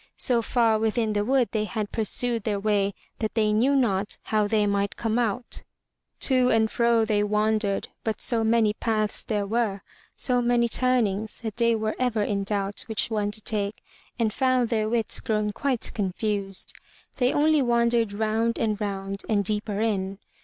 So far within the wood they had pur sued their way that they knew not how they might come out. 13 MY BOOK HOUSE To and fro they wandered, but so many paths there were, so many turnings, that they were ever in doubt which one to take and found their wits grown quite confused. They only wan dered round and round and deeper in.